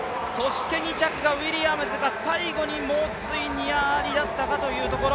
２着がウィリアムズ、最後に猛追、ニア・アリだったかというところ。